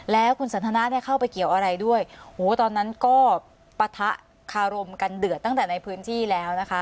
แล้วคุณสันทนาเนี่ยเข้าไปเกี่ยวอะไรด้วยโหตอนนั้นก็ปะทะคารมกันเดือดตั้งแต่ในพื้นที่แล้วนะคะ